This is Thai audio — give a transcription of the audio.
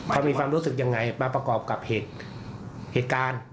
เขามีความรู้สึกยังไงมาประกอบกับเหตุการณ์